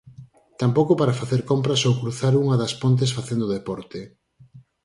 Tampouco para facer compras ou cruzar unha das pontes facendo deporte.